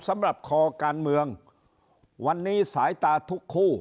สำหรับคอการเมืองวันนี้สายตาทุกคู่